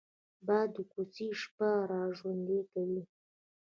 باد د کوڅې شپه را ژوندي کوي